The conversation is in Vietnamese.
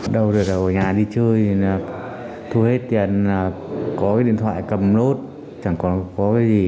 đâu rồi ở nhà đi chơi thu hết tiền có cái điện thoại cầm nốt chẳng còn có cái gì